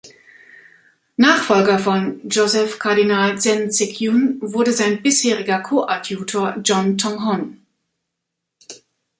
Nachfolger von Joseph Kardinal Zen Ze-kiun wurde sein bisheriger Koadjutor, John Tong Hon.